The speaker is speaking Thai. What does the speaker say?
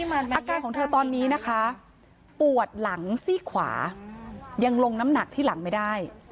อาการของเธอตอนนี้นะคะปวดหลังซี่ขวายังลงน้ำหนักที่หลังไม่ได้